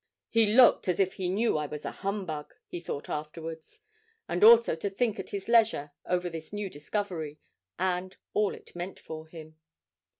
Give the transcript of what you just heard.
'He looked as if he knew I was a humbug!' he thought afterwards; and also to think at his leisure over this new discovery, and all it meant for him.